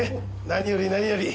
何より何より。